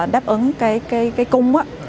đáp ứng cái cung